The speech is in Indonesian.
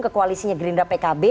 ke koalisinya gerindra pkb